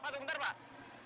pak tungguter pak